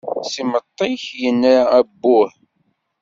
S imeṭṭi-ik yenna abbuh.